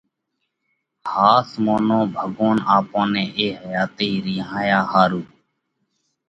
ۿاس مونو ڀڳوونَ آپون نئہ اي حياتئِي رِينهايا ۿارُو،